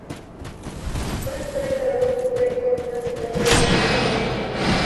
Una emisora de radio cubre con su señal toda la provincia, Radio Victoria.